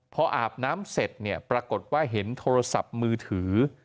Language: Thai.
พออาบน้ำเสร็จเนี่ยปรากฏว่าเห็นโทรศัพท์มือถือ